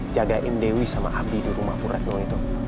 jagain dewi sama abi di rumah puradno itu